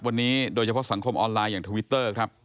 วันนี้โดยเฉพาะสังคมออนไลน์อย่างทวิตเตอร์ครับ